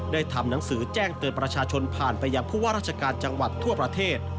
ทำหนังสือแจ้งเตือนประชาชนผ่านไปยังผู้ว่าราชการจังหวัดทั่วประเทศ